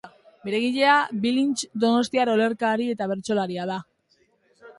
Bere egilea Bilintx donostiar olerkari eta bertsolaria da.